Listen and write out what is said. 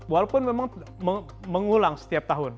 walaupun memang mengulang setiap tahun